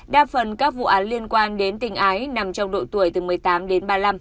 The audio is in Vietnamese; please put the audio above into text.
đa phần các vụ án liên quan đến tình ái nằm trong độ tuổi từ một mươi tám đến ba mươi năm